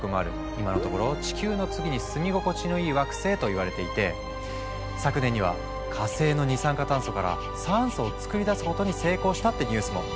今のところ「地球の次に住み心地のいい惑星」といわれていて昨年には火星の二酸化炭素から酸素を作り出すことに成功したってニュースも。